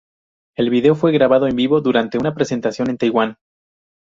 El video fue grabado en vivo durante una presentación en Taiwán.